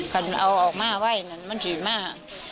การเอาออกมาไว้มันหายมาก